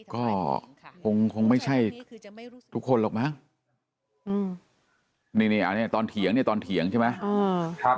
ก็คงไม่ใช่ทุกคนหรอกมั้งนี่อันนี้ตอนเถียงเนี่ยตอนเถียงใช่ไหม